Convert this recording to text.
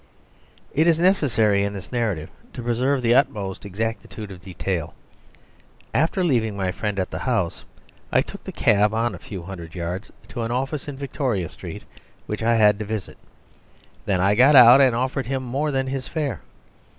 It is necessary in this narrative to preserve the utmost exactitude of detail. After leaving my friend at the House I took the cab on a few hundred yards to an office in Victoria street which I had to visit. I then got out and offered him more than his fare.